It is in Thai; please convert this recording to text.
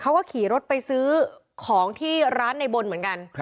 เขาก็ขี่รถไปซื้อของที่ร้านในบนเหมือนกัน